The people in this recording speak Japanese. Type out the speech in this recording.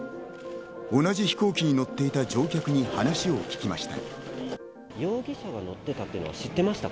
同じ飛行機に乗っていた乗客に話を聞きました。